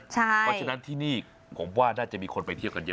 เพราะฉะนั้นที่นี่ผมว่าน่าจะมีคนไปเที่ยวกันเยอะ